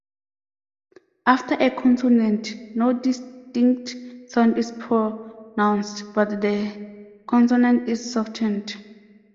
After a consonant, no distinct sound is pronounced, but the consonant is softened.